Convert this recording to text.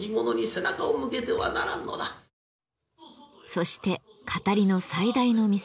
そして語りの最大の見せ場。